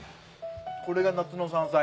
これが夏の山菜？